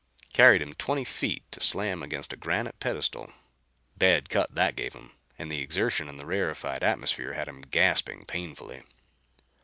Carried him twenty feet to slam against a granite pedestal. Bad cut that gave him, and the exertion in the rarefied atmosphere had him gasping painfully.